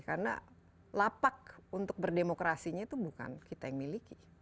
karena lapak untuk berdemokrasinya itu bukan kita yang miliki